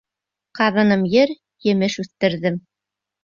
Ҡаҙыным ер, емеш үҫтерҙем.